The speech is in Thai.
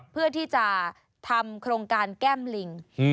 เพื่อที่จะทำโครงการแก้มลิง